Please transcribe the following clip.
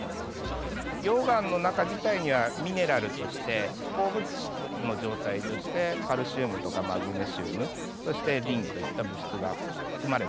溶岩の中自体にはミネラルとして鉱物質の状態としてカルシウムとかマグネシウムそしてリンといった物質が含まれてます。